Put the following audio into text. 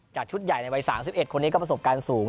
จากชุดใหญ่ในวัยสามสิบเอ็ดคนนี้ก็ประสบการณ์สูง